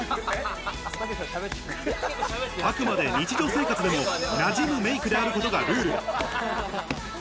あくまで日常生活でも、なじむメイクであることがルール。